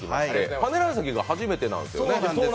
パネラー席が初めてなんですよね。